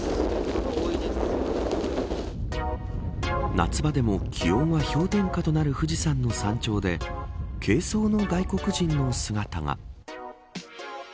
夏場でも気温は氷点下となる富士山の山頂で軽装の外国人の姿が。